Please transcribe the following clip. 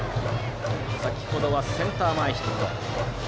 先程はセンター前ヒット。